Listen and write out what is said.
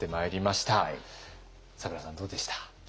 咲楽さんどうでした？